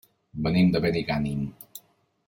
Venim de Benigànim.